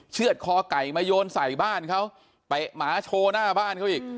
เชื่อดข่อไก่มาโยนใส่บ้านเขาไหมก็มาโชว์หน้าบ้านเขาอีก